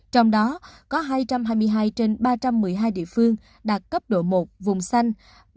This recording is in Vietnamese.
trong đó có hai trăm hai mươi hai trên ba trăm một mươi hai địa phương đạt cấp độ một vùng xanh